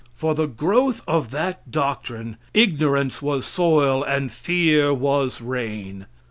For the growth of that doctrine, ignorance was soil and fear was rain.